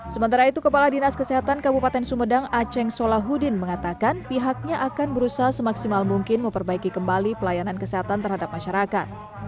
sementara itu kepala dinas kesehatan kabupaten sumedang aceh solahudin mengatakan pihaknya akan berusaha semaksimal mungkin memperbaiki kembali pelayanan kesehatan terhadap masyarakat